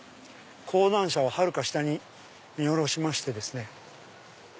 講談社ははるか下に見下ろしましてですね。